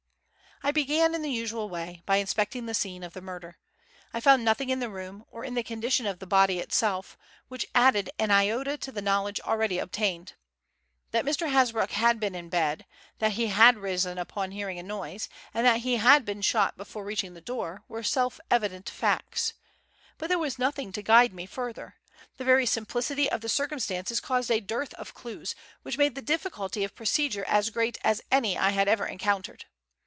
I began in the usual way, by inspecting the scene of the murder. I found nothing in the room, or in the condition of the body itself, which added an iota to the knowledge already obtained. That Mr. Hasbrouck had been in bed; that he had risen upon hearing a noise; and that he had been shot before reaching the door, were self evident facts. But there was nothing to guide me further. The very simplicity of the circumstances caused a dearth of clues, which made the difficulty of procedure as great as any I had ever encountered.